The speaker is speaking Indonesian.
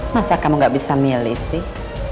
masa kamu gak bisa milih sih